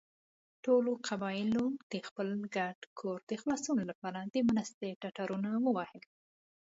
ټولو قبيلو د خپل ګډ کور د خلاصون له پاره د مرستې ټټرونه ووهل.